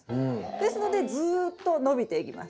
ですのでずっと伸びていきます。